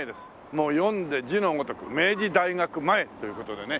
もう読んで字のごとく明治大学前という事でね。